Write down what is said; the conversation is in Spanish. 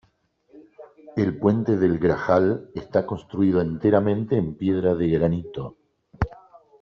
El Puente del Grajal está construido enteramente en piedra de granito.